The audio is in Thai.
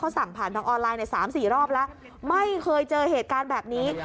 สั่งผ่านทางออนไลน์ใน๓๔รอบแล้วไม่เคยเจอเหตุการณ์แบบนี้